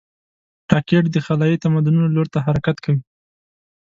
راکټ د خلایي تمدنونو لور ته حرکت کوي